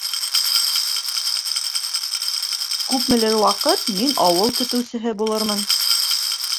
— Күпмелер ваҡыт мин ауыл көтөүсеһе булырмын.